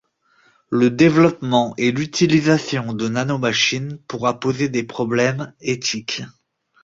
Le développement et l'utilisation de nanomachines pourra poser des problèmes éthiques.